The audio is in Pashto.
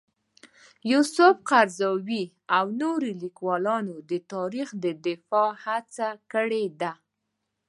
یوسف قرضاوي او نور لیکوالان د تاریخ د دفاع هڅه کړې ده.